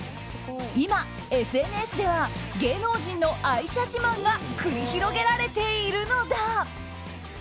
今、ＳＮＳでは芸能人の愛車自慢が繰り広げられているのだ。